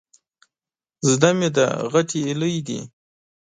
زده مې ده، غټې هيلۍ دي.